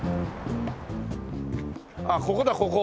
あっここだここ。